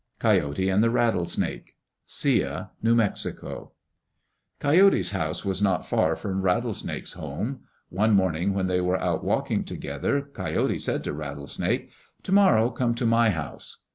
Coyote and the Rattlesnake Sia (New Mexico) Coyote's house was not far from Rattlesnake's home. One morning when they were out walking together, Coyote said to Rattlesnake, "To morrow come to my house."